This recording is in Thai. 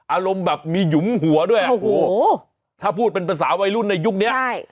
อารมณ์แบบมีหยุมหัวด้วยถ้าพูดเป็นภาษาวัยรุ่นในยุคนี้